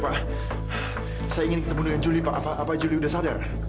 pak ahmad saya ingin ketemu dengan julie apa julie sudah sadar